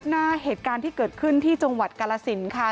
หน้าเหตุการณ์ที่เกิดขึ้นที่จังหวัดกาลสินค่ะ